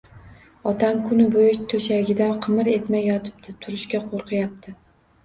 Otam kuni bo`yi to`shagida qimir etmay yotibdi, turishga qo`rqyapti